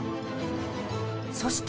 そして。